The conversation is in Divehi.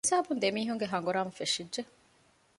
އެހިސާބުން ދެމީހުންގެ ހަނގުރާމަ ފެށިއްޖެ